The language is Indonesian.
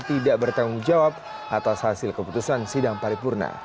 tidak bertanggung jawab atas hasil keputusan sidang paripurna